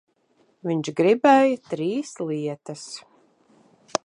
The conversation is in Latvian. Viņš gribēja trīs lietas.